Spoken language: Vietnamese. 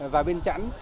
và bên chắn